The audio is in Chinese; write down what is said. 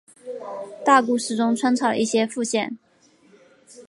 大故事中穿插了一些副线。